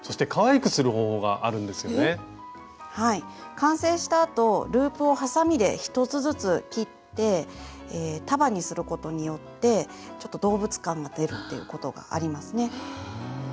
完成したあとループをはさみで１つずつ切って束にすることによってちょっと動物感が出るっていうことがありますね。